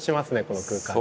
この空間。